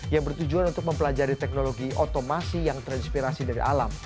yang bertujuan untuk mempelajari teknologi otomasi yang terinspirasi dari alam